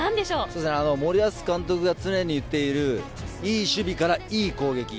森保監督が常に言っているいい守備から、いい攻撃。